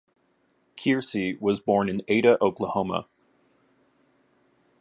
Keirsey was born in Ada, Oklahoma.